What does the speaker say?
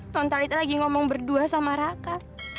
nontalita lagi ngomong berdua sama raka